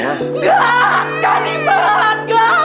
nggak akan iman nggak akan